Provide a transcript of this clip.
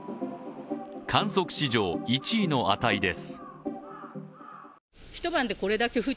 観測史上１位の値です。